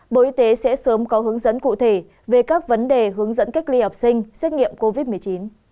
bộ y tế sẽ sớm có hướng dẫn cụ thể về các vấn đề hướng dẫn cách ly học sinh xét nghiệm covid một mươi chín